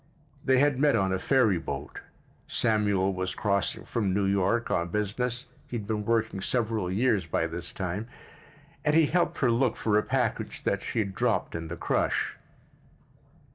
They had met on a ferry boat. Samuel was crossing from New York on business (he had been working several years by this time) and he helped her look for a package that she had dropped in the crush.